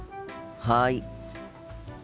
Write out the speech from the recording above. はい。